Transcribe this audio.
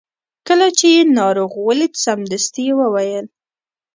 کله چې یې ناروغ ولید سمدستي یې وویل.